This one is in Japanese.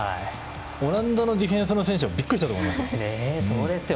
オランダのディフェンスの選手もびっくりしたと思いますよ。